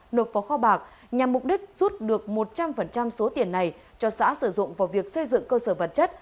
nộp vào kho bạc nhằm mục đích rút được một trăm linh số tiền này cho xã sử dụng vào việc xây dựng cơ sở vật chất